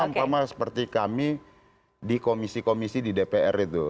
sama seperti kami di komisi komisi di dpr itu